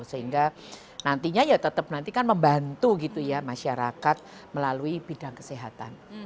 sehingga nantinya ya tetap nanti kan membantu gitu ya masyarakat melalui bidang kesehatan